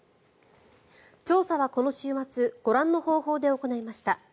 調査はこの週末ご覧の方法で行いました。